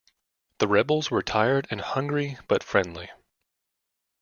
The rebels were tired and hungry but friendly.